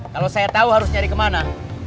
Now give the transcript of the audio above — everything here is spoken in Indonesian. kalau saya tahu harus nyari kemana